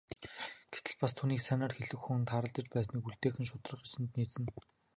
Гэтэл бас түүнийг сайнаар хэлэх хүн тааралдаж байсныг үлдээх нь шударга ёсонд нийцнэ.